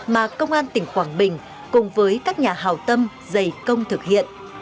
mà công an tỉnh quảng bình cùng với các nhà hào tâm dày công thực hiện